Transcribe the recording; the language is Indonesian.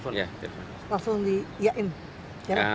langsung di yakin